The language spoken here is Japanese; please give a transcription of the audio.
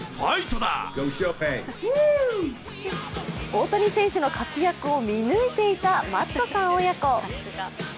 大谷選手の活躍を見抜いていたマットさん親子。